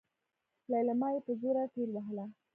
ليلما يې په زوره ټېلوهله.